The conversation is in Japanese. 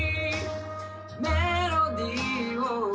メロディーを